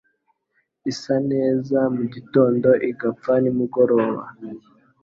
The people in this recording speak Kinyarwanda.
isa neza mu gitondo igapfa nimugoroba.